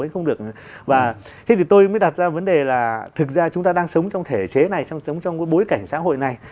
anh không được và thế thì tôi mới đặt ra vấn đề là thực ra chúng ta đang sống trong thể chế này sống trong bối cảnh xã hội này